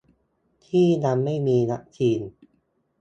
ที่ยังไม่มีวัคซีน